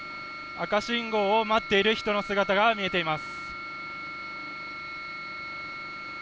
赤信号を待っている人の姿が見えています。